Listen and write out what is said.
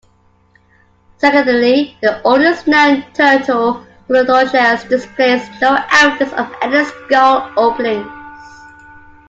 Secondly, the oldest known turtle, Odontochelys, displays no evidence of any skull openings.